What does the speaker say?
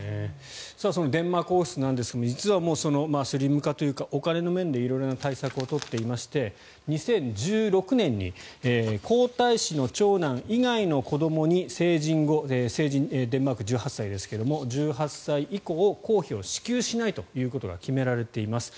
そのデンマーク王室ですが実はスリム化というかお金の面で色々な対策を取っていまして２０１６年に皇太子の長男以外の子どもに成人後デンマークは成人は１８歳ですが１８歳以降、公費を支給しないということが決められています。